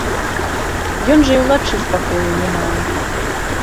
Ён жа і ўначы спакою не мае.